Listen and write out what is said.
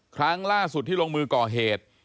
ครั้งล่าสุดที่ลงมือก่อเหตุ